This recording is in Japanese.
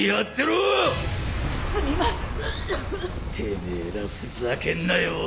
・てめえらふざけんなよ！